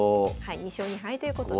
２勝２敗ということで。